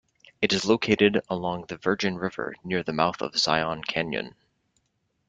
It is located along the Virgin River near the mouth of Zion Canyon.